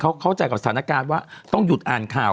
เขาเข้าใจกับสถานการณ์ว่าต้องหยุดอ่านข่าว